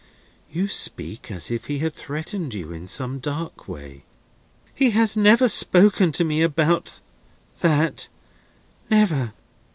You speak as if he had threatened you in some dark way." "He has never spoken to me about—that. Never."